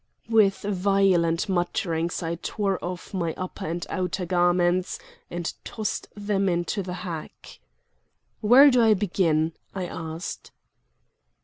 With violent mutterings I tore off my upper and outer garments and tossed them into the hack. "Where do I begin?" I asked.